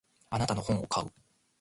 あなたの本を買う。